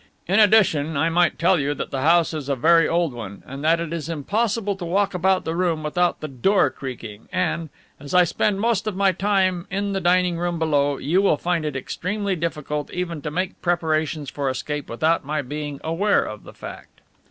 In addition, I might tell you that the house is a very old one and that it is impossible to walk about the room without the door creaking and, as I spend most of my time in the dining room below, you will find it extremely difficult even to make preparations for escape without my being aware of the fact."